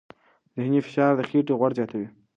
ذهني فشار د خېټې غوړ زیاتوي.